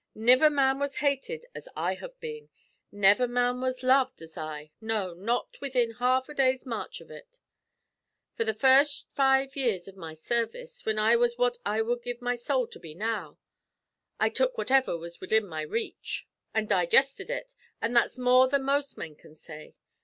Niver man was hated as I have been. Niver man was loved as I no, not within half a day's march av ut. For the first five years av my service, whin I was what I wud give my sowl to be now, I tuk whatever was widin my reach, an' digested ut, an' that's more than most men can say.